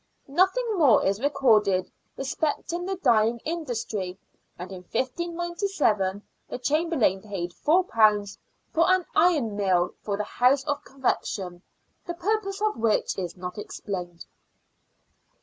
Nothing more is recorded respecting the dyeing industry, and in 1597 the Chamber lain paid £4 " for an iron mill for the House of Correction," the purpose of which is not explained.